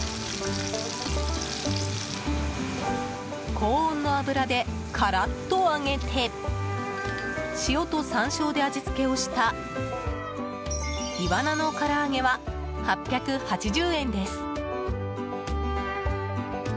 高温の油でカラっと揚げて塩と山椒で味付けをしたイワナの唐揚は８８０円です。